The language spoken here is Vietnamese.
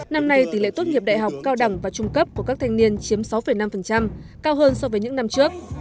năm nay tỷ lệ tốt nghiệp đại học cao đẳng và trung cấp của các thanh niên chiếm sáu năm cao hơn so với những năm trước